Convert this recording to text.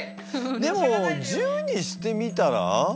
でも十にしてみたら。